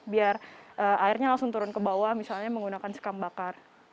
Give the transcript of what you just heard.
biar airnya langsung turun ke bawah misalnya menggunakan sekam bakar